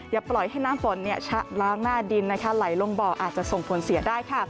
อย่าปล่อยให้น้ำฝนชะล้างหน้าดินไหลลงบ่ออาจจะส่งผลเสียได้ค่ะ